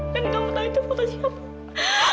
dan kamu tahu itu foto siapa